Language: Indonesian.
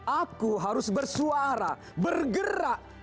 aku harus bersuara bergerak